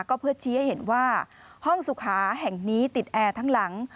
ก็เพื่อชี้ให้เห็นว่าห้องสุขาแห่งนี้ติดแอร์ทั้งหลัง